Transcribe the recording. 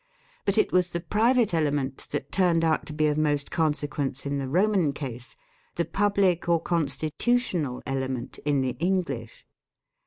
But it was the private element that turned out to be of most consequence in the Roman case, the public or constitu tional element in the English.